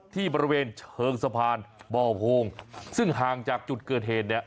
ที่บริเวณเชิงสะพานบ่อโพงซึ่งห่างจากจุดเกิดเหตุเนี่ย